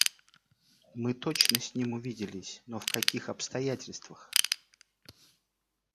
– Мы точно с ним увиделись, но в каких обстоятельствах!..